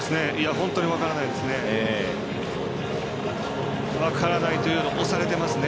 本当に分からないですね。